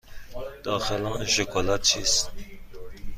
داخل آن شکلات چیست؟